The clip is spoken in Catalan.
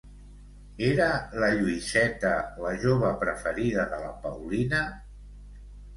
Era la Lluïseta la jove preferida de la Paulina?